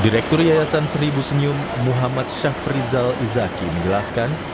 direktur yayasan seribu senyum muhammad syafrizal zaki menjelaskan